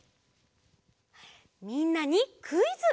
みんなにクイズ！